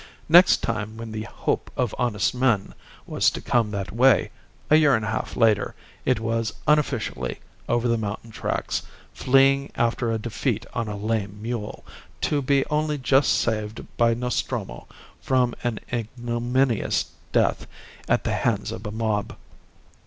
Next time when the "Hope of honest men" was to come that way, a year and a half later, it was unofficially, over the mountain tracks, fleeing after a defeat on a lame mule, to be only just saved by Nostromo from an ignominious death at the hands of a mob.